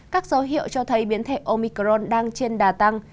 các dấu hiệu cho thấy biến thể omicron đang trên đà tăng